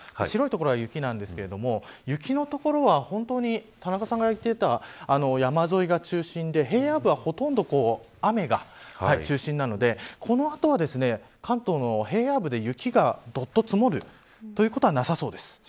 白い所は雪なんですけれども雪の所は本当に田中さんが言っていた山沿いが中心で平野部はほとんど雨が中心なのでこの後は、関東の平野部で雪がどっと積もるということはなさそうです。